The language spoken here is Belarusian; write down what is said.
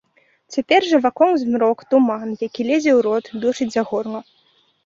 Цяпер жа вакол змрок, туман, які лезе ў рот, душыць за горла.